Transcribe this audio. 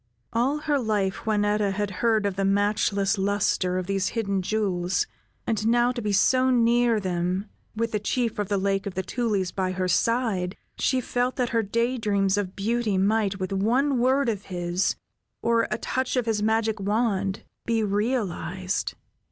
All her life, Juanetta had heard of the matchless luster of these hidden jewels, and now to be so near them, with the Chief of the Lake of the Tulies by her side, she felt that her day dreams of beauty might, with one word of his, or a touch of his magic wand, be realized.